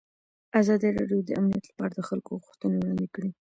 ازادي راډیو د امنیت لپاره د خلکو غوښتنې وړاندې کړي.